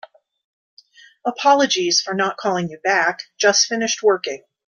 Apologies for not calling you back. Just finished working.